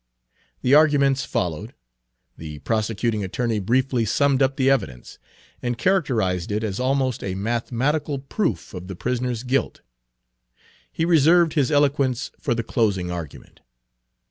The arguments followed. The prosecuting attorney briefly summed up the evidence, and Page 304 characterized it as almost a mathematical proof of the prisoner's guilt. He reserved his eloquence for the closing argument.